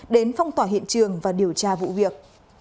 đến phong tỏa hiện trường và điều tra vụ việc